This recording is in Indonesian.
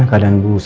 habis itu terus